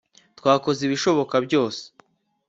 Twakoze ibishoboka byose